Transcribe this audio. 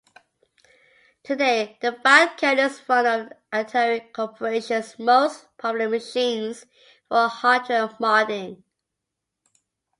Today, the Falcon is one of Atari Corporation's most popular machines for hardware modding.